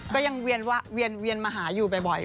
ก็ยังมาหาอยู่บ่อย